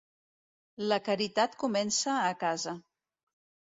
La caritat comença a casa.